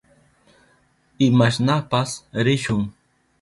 Imashnapas rishun.